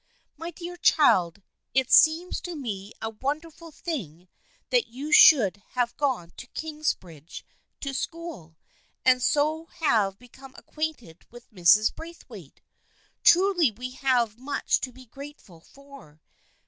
My dear child, it seems to me a wonder ful thing that you should have gone to Kingsbridge to school, and so have become acquainted with Mrs. Braithwaite ! Truly we have much to be grateful for.